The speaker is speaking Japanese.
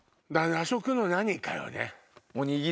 和食の何かよね。